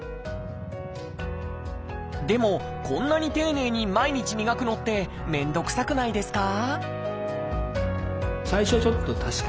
でもこんなに丁寧に毎日磨くのって面倒くさくないですか？